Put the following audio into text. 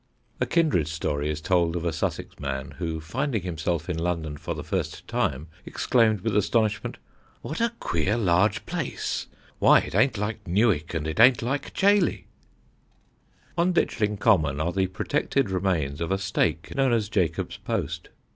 A kindred story is told of a Sussex man who, finding himself in London for the first time, exclaimed with astonishment "What a queer large place! Why, it ain't like Newick and it ain't like Chailey." [Illustration: Old House at Ditchling.] On Ditchling Common are the protected remains of a stake known as Jacob's Post.